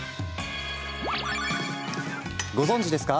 ご存じですか？